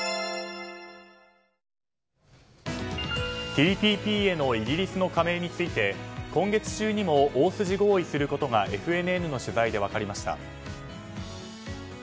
ＴＰＰへのイギリスの加盟について今月中にも、大筋合意することがＦＮＮの取材で分かりました。